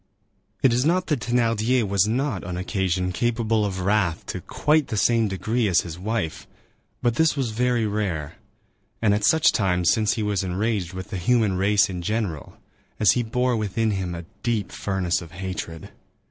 It is not that Thénardier was not, on occasion, capable of wrath to quite the same degree as his wife; but this was very rare, and at such times, since he was enraged with the human race in general, as he bore within him a deep furnace of hatred.